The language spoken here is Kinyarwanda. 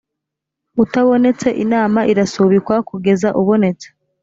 utabonetse inama irasubikwa kugeza ubonetse